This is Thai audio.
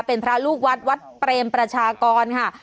เป็นพระลูกวัดวัดเปรมประชากรค่ะ